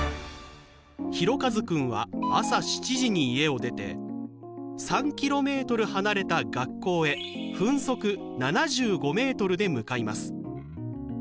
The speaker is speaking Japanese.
ひろかずくんは朝７時に家を出て３ｋｍ離れた学校へ分速７５ｍで向かいます。